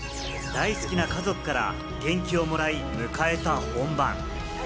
大好きな家族から元気をもらい、迎えた本番。